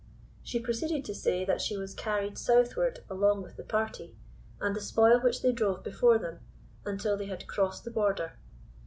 She proceeded to say, that she was carried southward along with the party, and the spoil which they drove before them, until they had crossed the Border.